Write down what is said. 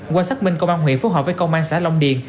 qua xác minh công an huyện phối hợp với công an xã long điền